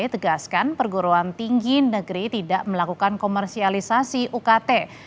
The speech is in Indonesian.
tegaskan perguruan tinggi negeri tidak melakukan komersialisasi ukt